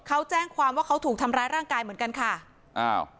เขาแจ้งความว่าเขาถูกทำร้ายร่างกายเหมือนกันค่ะอ้าว